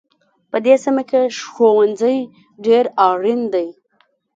په دې سیمه کې ښوونځی ډېر اړین دی